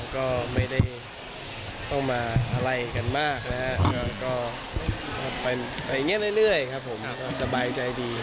ก็ไม่ได้ต้องมาอะไรกันมากนะครับก็ไปอย่างนี้เรื่อยครับผมสบายใจดี